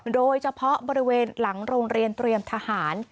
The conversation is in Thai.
โดยเฉพาะบริเวณหลังโรงเรียนเตรียมทหาร